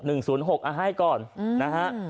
๖๑๐๖เอาให้ก่อนนะฮะ